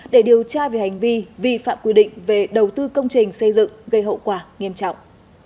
để điều tra về hành vi vi phạm quy định về đầu tư công trình xây dựng gây hậu quả nghiêm trọng